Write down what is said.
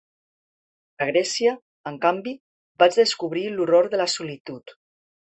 A Grècia, en canvi, vaig descobrir l'horror de la solitud.